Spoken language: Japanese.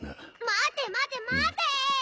待て待て待て！